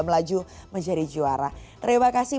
melaju menjadi juara terima kasih